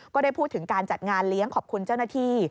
ก็ได้พูดถึงการจัดงานเลี้ยงขอบคุณเจ้าหน้าที่